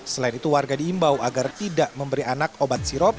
selain itu warga diimbau agar tidak memberi anak obat sirop